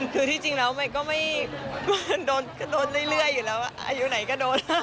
คือที่จริงแล้วมันก็โดนเรื่อยอยู่แล้วอายุไหนก็โดน